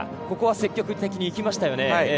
ここは積極的に行きましたよね。